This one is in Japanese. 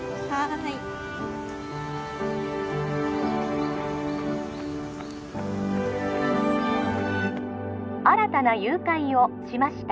はい☎新たな誘拐をしました